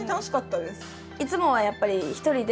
いつもはやっぱり一人で。